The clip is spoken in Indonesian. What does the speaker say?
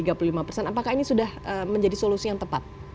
apakah ini sudah menjadi solusi yang tepat